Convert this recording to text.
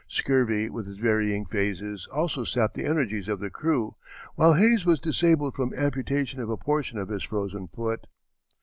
Scurvy with its varying phases also sapped the energies of the crew, while Hayes was disabled from amputation of a portion of his frozen foot.